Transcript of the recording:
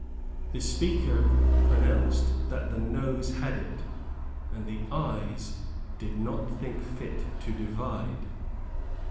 The Speaker pronounced that the Noes had it; and the Ayes did not think fit to divide.